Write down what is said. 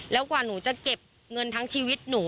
แล้วกว่าหนูจะเก็บเงินทั้งชีวิตหนู